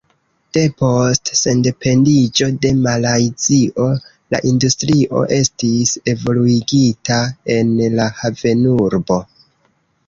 Depost sendependiĝo de Malajzio la industrio estis evoluigita en la havenurbo.